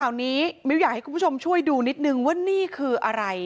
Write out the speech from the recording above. ข่าวนี้มิ้วอยากให้คุณผู้ชมช่วยดูนิดนึงว่านี่คืออะไร